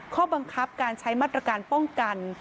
ข้อบังคับการใช้มาตรการป้องกัน